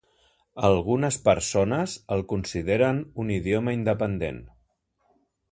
Algunes persones el consideren un idioma independent.